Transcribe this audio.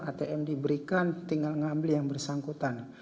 atm diberikan tinggal ngambil yang bersangkutan